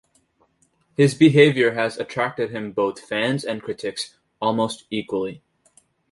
His behavior has attracted him both fans and critics almost equally.